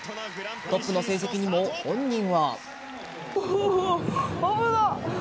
トップの成績にも、本人は。